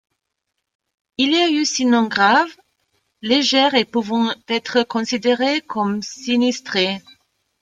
Il y a eu sinon graves, légers et pouvant être considérées comme sinistrées.